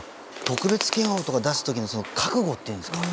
特別警報とか出す時の覚悟っていうんですか。